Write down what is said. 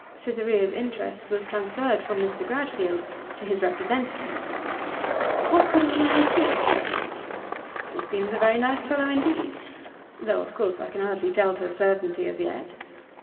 Cytherea's interest was transferred from Mr. Gradfield to his representative. 'What sort of a man is he?' 'He seems a very nice fellow indeed; though of course I can hardly tell to a certainty as yet.